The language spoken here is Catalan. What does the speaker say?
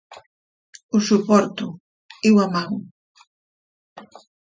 Ho suporto, i ho amago.